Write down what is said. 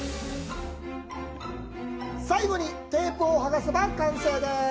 最後に、テープを剥がせば完成です。